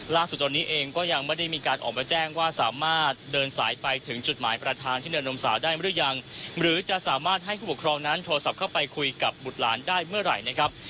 ล่าสุดตอนนี้เองก็ยังไม่ได้มีการออกมาแจ้งว่าสามารถเดินสายไปถึงจุดหมายประธานที่เนินนมสาวได้หรือยังหรือจะสามารถให้ผู้ปกครองนั้นโทรศัพท์เข้าไปคุยกับบุตรหลานได้เมื่อไหร่นะครับ